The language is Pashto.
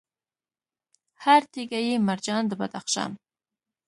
هر تیږه یې مرجان د بدخشان